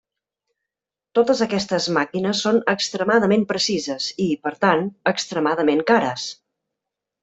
Totes aquestes màquines són extremadament precises, i per tant, extremadament cares.